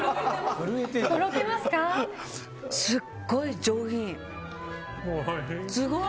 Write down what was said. すっごい上品！